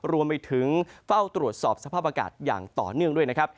รวมไปถึงเฝ้าตรวจสอบสภาพอากาศอย่างต่อเนื่องด้วยนะครับ